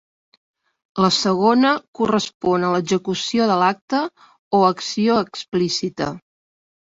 La segona correspon a l'execució de l'acte o acció explícita.